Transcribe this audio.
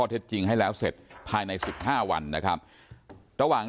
แต่ว่านักข่าวมาก่อน